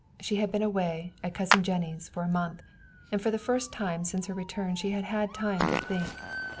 She had been away, at Cousin Jennie's, for a month, and for the first time since her return she had had time to think.